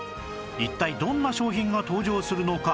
一体どんな商品が登場するのか？